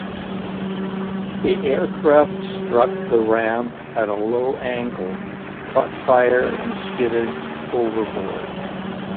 The aircraft struck the ramp at a low angle, caught fire and skidded overboard.